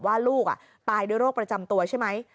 ว่าลูกตายด้วยโรคประจำตัวใช่ไหม